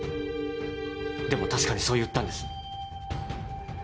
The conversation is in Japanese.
でも確かにそう言ったんです。